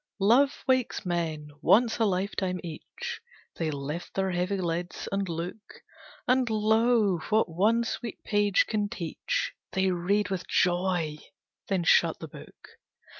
Love wakes men, once a lifetime each; They lift their heavy lids, and look; And, lo, what one sweet page can teach, They read with joy, then shut the book.